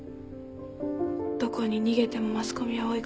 どこに逃げてもマスコミは追い掛けてくる。